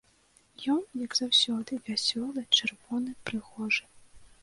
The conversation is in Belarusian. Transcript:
Ён, як заўсёды, вясёлы, чырвоны, прыгожы.